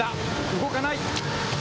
動かない。